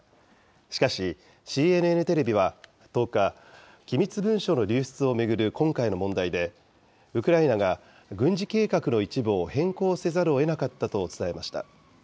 しかし、ＣＮＮテレビは１０日、機密文書の流出を巡る今回の問題で、ウクライナが軍事計画の一部を変更せざるをえなかったと伝えました。